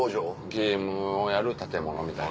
ゲームをやる建物みたいな。